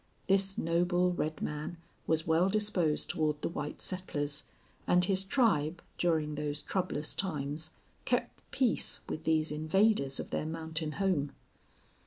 This noble red man was well disposed toward the white settlers, and his tribe, during those troublous times, kept peace with these invaders of their mountain home.